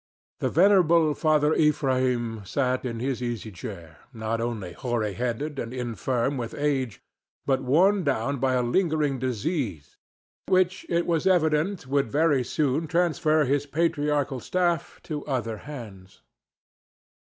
The venerable Father Ephraim sat in his easy chair, not only hoary headed and infirm with age, but worn down by a lingering disease which it was evident would very soon transfer his patriarchal staff to other hands.